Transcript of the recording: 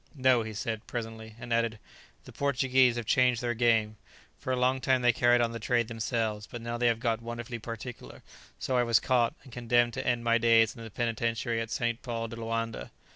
"No," he said, presently, and added, "The Portuguese have changed their game: for a long time they carried on the trade themselves, but now they have got wonderfully particular; so I was caught, and condemned to end my days in the penitentiary at St. Paul de Loanda."